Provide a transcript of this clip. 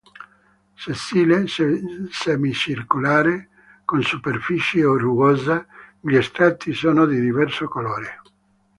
Sessile, semicircolare, con superficie rugosa, gli strati sono di diverso colore.